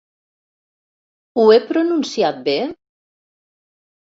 Ho he pronunciat bé?